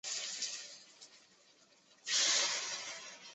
唯一的少数宗教是一小群犹太教徒。